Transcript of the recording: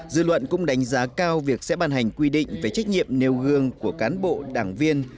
dư luận cũng đánh giá cao việc sẽ ban hành quy định về trách nhiệm nêu gương của cán bộ đảng viên